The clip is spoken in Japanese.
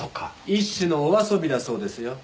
一種のお遊びだそうですよ。